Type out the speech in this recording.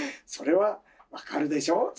それは分かるでしょ？